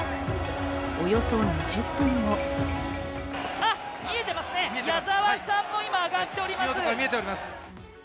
およそ２０分後あっ、見えていますね、矢澤さんも今、見えています。